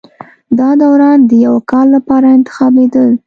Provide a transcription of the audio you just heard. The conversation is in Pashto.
دا داوران د یوه کال لپاره انتخابېدل